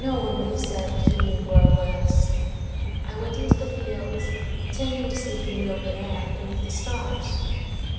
One would have said that he knew who I was. I went into the fields, intending to sleep in the open air, beneath the stars.